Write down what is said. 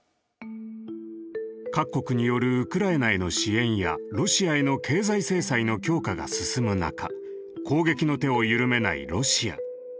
各国によるウクライナへの支援やロシアへの経済制裁の強化が進む中攻撃の手を緩めないロシア。